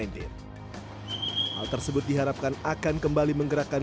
hal tersebut diharapkan akan kembali menggerakkan